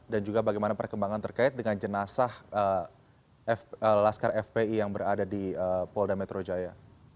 dan juga bagaimana perkembangan terkait dengan jenazah laskar fpi yang berada di polda metro jaya